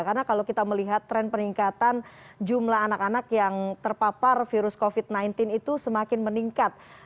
karena kalau kita melihat tren peningkatan jumlah anak anak yang terpapar virus covid sembilan belas itu semakin meningkat